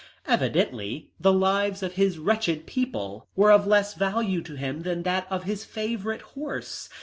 Evidently the lives of his wretched people were of less value to him than that of a favourite horse.